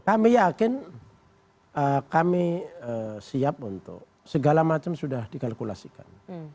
kami yakin kami siap untuk segala macam sudah dikalkulasikan